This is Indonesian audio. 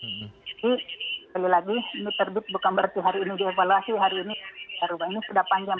jadi sekali lagi ini terbit bukan berarti hari ini dievaluasi hari ini sudah panjang